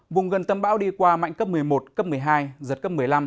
vùng gần tâm bão đi qua mạnh cấp một mươi một cấp một mươi hai giật cấp một mươi năm